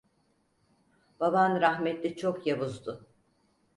Baban rahmetli çok yavuzdu.